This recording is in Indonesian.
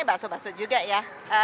basuh basuh juga ya